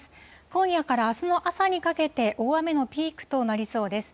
今夜からあすの朝にかけて、大雨のピークとなりそうです。